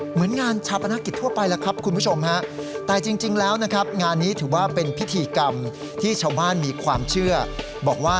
เหมือนงานชาปณะกิจทั่วไปละครับคุณผู้ชมฮะ